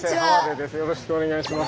よろしくお願いします。